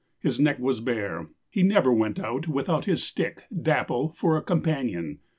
His neck was bare; he never went out without his stick 'dapple,' for a companion.